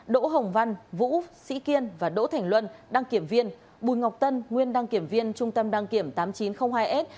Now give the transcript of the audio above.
đỗ hồng văn vũ sĩ kiên và đỗ thành luân đăng kiểm viên bùi ngọc tân nguyên đăng kiểm viên trung tâm đăng kiểm tám nghìn chín trăm linh hai s